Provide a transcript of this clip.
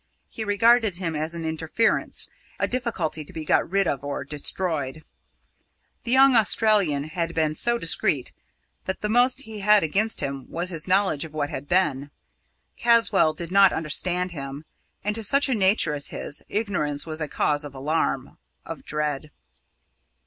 He regarded him as an interference, a difficulty to be got rid of or destroyed. The young Australian had been so discreet that the most he had against him was his knowledge of what had been. Caswall did not understand him, and to such a nature as his, ignorance was a cause of alarm, of dread.